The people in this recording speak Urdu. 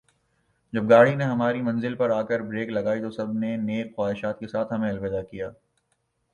جب گاڑی نے ہماری منزل پر آ کر بریک لگائی تو سب نے نیک خواہشات کے ساتھ ہمیں الوداع کیا